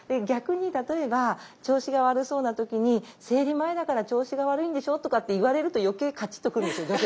逆に例えば調子が悪そうな時に「生理前だから調子が悪いんでしょ？」とかって言われると余計カチッと来るんですよ